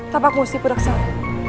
tapak musti puraksama